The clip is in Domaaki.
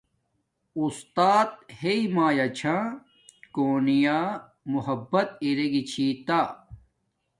استات ہݵ مایا چھا کونییا محبت دیگی چھی تہ